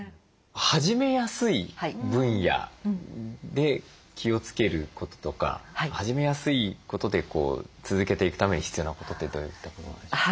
始めやすい分野で気をつけることとか始めやすいことで続けていくために必要なことってどういったことなんでしょうか？